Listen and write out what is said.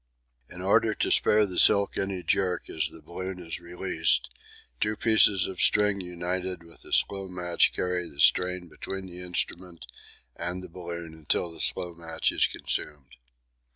In order to spare the silk any jerk as the balloon is released two pieces of string united with a slow match carry the strain between the instrument and the balloon until the slow match is consumed.